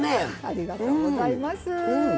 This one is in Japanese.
ありがとうございます。